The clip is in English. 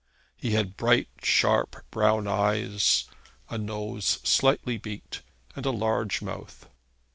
He had bright sharp brown eyes, a nose slightly beaked, and a large mouth.